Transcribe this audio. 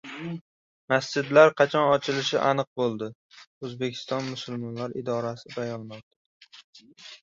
Masjidlar qachon ochilishiga aniq bo‘ldi – O‘zbekiston musulmonlari idorasi bayonoti